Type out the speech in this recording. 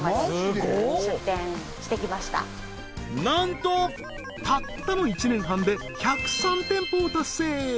なんとたったの１年半で１０３店舗を達成！